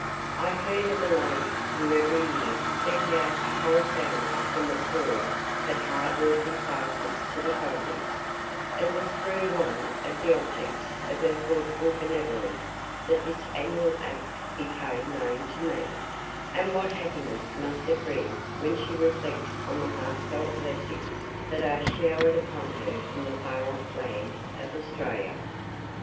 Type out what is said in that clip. I heard of a lady who every year sent out a whole family from the poor but hard working classes to the colonies (it was through one of the objects of her thoughtful benevolence that this annual act became known to me), and what happiness must it bring when she reflects on the heartfelt blessings that are showered upon her from the far off land of Australia.